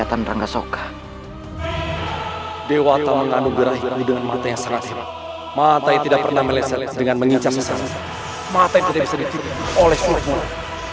mata yang sangat hebat mata yang tidak pernah meleset dengan mengincam sesama mata yang bisa dipercaya oleh sulap mulut